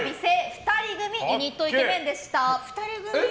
２人組ユニットイケメンでした。